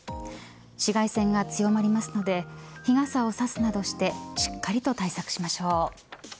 紫外線が強まりますので日傘をさすなどしてしっかりと対策しましょう。